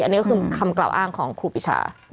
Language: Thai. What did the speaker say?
อันนี้ก็คือคำกล่าวอ้างของครูปีชา